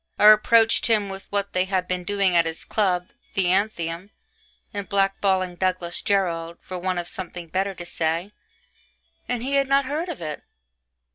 I reproached him with what they had been doing at his club (the Athenæum) in blackballing Douglas Jerrold, for want of something better to say and he had not heard of it.